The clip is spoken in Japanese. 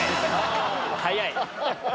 早い。